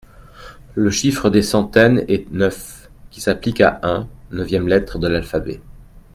Le chiffre des centaines est neuf, qui s'applique a un, neuvième lettre de l'alphabet.